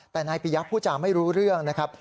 แต่นายปียะผู้จาไม่รู้เรื่องนะครับ